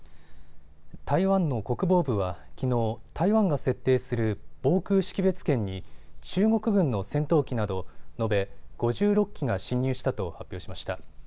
台湾の国防部はきのう、台湾が設定する防空識別圏に中国軍の戦闘機など延べ５６機が進入したと発表しました。